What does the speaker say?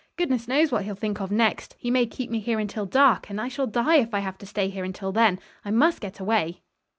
"Goodness knows what he'll think of next. He may keep me here until dark, and I shall die if I have to stay here until then, I must get away."